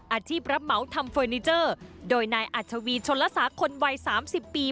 อาชีพรับเหมาทำเฟอร์นิเจอร์โดยนายอัชวีชนละสาคนวัยสามสิบปี